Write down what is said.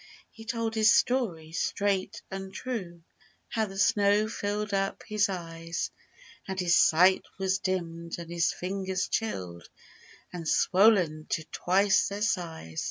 He told his story straight and true— How the snow filled up his eyes; And his sight was dimmed and his fingers chilled And swollen to twice their size.